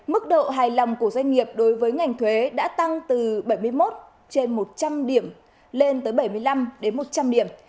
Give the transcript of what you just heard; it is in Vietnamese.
mức độ hài lòng của doanh nghiệp đối với ngành thuế đã tăng từ bảy mươi một trên một trăm linh điểm lên tới bảy mươi năm đến một trăm linh điểm